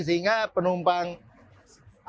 sekarang ini kan saatnya recovery dari pandemik